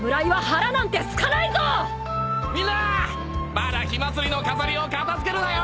まだ火祭りの飾りを片付けるなよ！